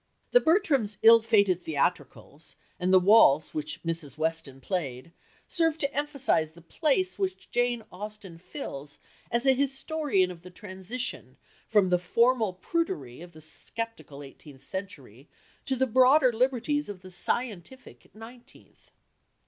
The Bertrams' ill fated theatricals, and the waltz which Mrs. Weston played, serve to emphasize the place which Jane Austen fills as an historian of the transition from the formal prudery of the sceptical eighteenth century to the broader liberties of the scientific nineteenth.